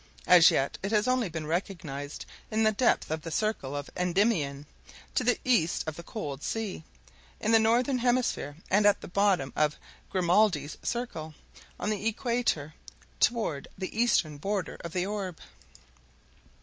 As yet it has only been recognized in the depths of the circle of Endymion, to the east of the "Cold Sea," in the northern hemisphere, and at the bottom of Grimaldi's circle, on the equator, toward the eastern border of the orb.